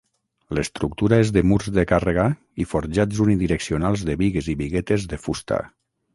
L'estructura és de murs de càrrega i forjats unidireccionals de bigues i biguetes de fusta.